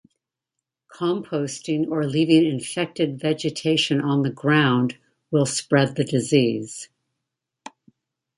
Composting, or leaving infected vegetation on the ground will spread the disease.